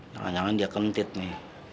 jangan jangan dia kempit nih